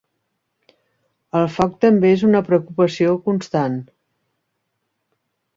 El foc també és una preocupació constant.